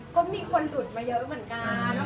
ก็มีคนดูดเยอะกลังนั้นนึกมีคนมาเยอะเลย